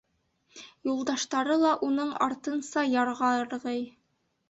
Юлдаштары ла уның артынса ярға ырғый.